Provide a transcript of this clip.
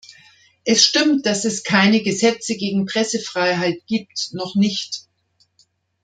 Es stimmt, dass es keine Gesetze gegen Pressefreiheit gibt noch nicht.